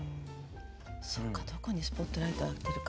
そっかどこにスポットライトを当てるか。